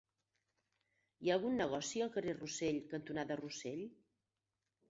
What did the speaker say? Hi ha algun negoci al carrer Rossell cantonada Rossell?